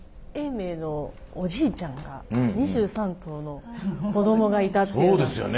永明のおじいちゃんが２３頭の子どもがいたっていうの。